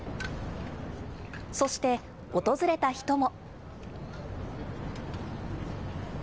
そして、訪れた人も。